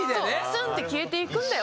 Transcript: スンって消えていくんだよ